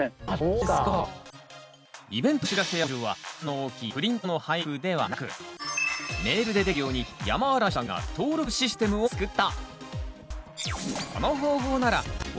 イベントのお知らせや募集は負担の大きいプリントの配布ではなくメールでできるようにヤマアラシさんが登録システムを作った。